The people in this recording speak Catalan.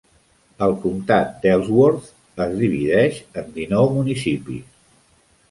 El comtat d'Ellsworth es divideix en dinou municipis.